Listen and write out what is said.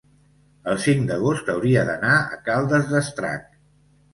el cinc d'agost hauria d'anar a Caldes d'Estrac.